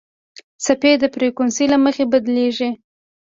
څپې د فریکونسۍ له مخې بدلېږي.